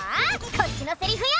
こっちのセリフよ！